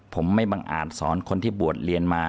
ผมไม่บังอาจสอนคนที่บวชเรียนมา